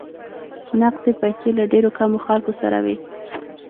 نقدې پیسې له ډېرو کمو خلکو سره وې.